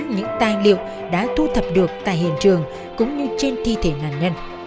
những tài liệu đã thu thập được tại hiện trường cũng như trên thi thể nạn nhân